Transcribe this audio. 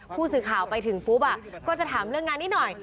ผู้สื่อข่าวไปถึงปุ๊บก็จะถามเรื่องงานนี้หน่อย